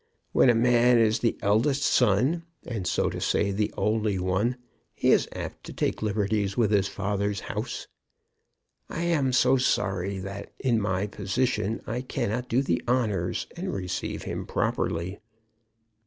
When a man is the eldest son, and, so to say, the only one, he is apt to take liberties with his father's house. I am so sorry that in my position I cannot do the honors and receive him properly.